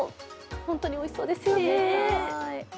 本当においしそうですよね。